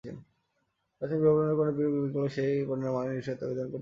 প্রাচীন ব্যাবিলনে কোনো পণ্য বিক্রি করলে সেই পণ্যের মানে নিশ্চয়তা বিধান করতে হতো।